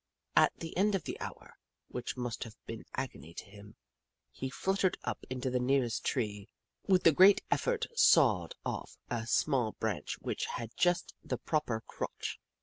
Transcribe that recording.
At the end of the hour, which must have been agony to him, he fluttered up into the nearest tree, and with great effort sawed off a small branch which had just the proper crotch.